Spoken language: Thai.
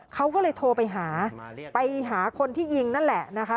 เขาก็เลยโทรไปหาไปหาคนที่ยิงนั่นแหละนะคะ